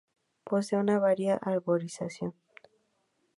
Posee una variada arborización.